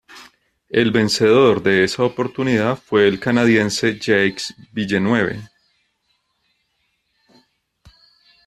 El vencedor de esa oportunidad fue el canadiense Jacques Villeneuve.